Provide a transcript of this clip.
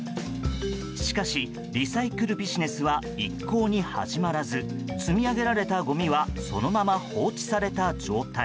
しかし、リサイクルビジネスは一向に始まらず積み上げられたごみはそのまま放置された状態。